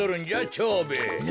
蝶兵衛。